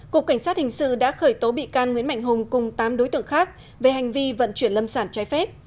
cục cảnh sát hình sự đã khởi tố bị can nguyễn mạnh hùng cùng tám đối tượng khác về hành vi vận chuyển lâm sản trái phép